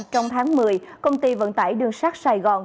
trong tháng một mươi công ty vận tải đường sắt sài gòn